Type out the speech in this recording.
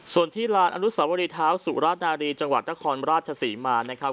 ส่วนที่ลานอนุสวรีเท้าสุรานารีจังหวัดนครราชศรีมานะครับ